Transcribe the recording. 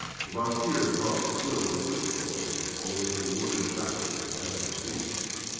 The Bashkir crossed the sill with difficulty, owing to the wooden shackles he had on his feet.